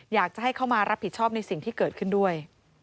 อยากจะให้เข้ามารับผิดชอบในสิ่งที่เกิดขึ้นด้วย